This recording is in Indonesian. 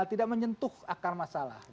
tidak menyentuh akar masalah